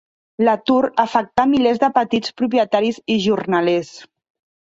L'atur afectà milers de petits propietaris i jornalers.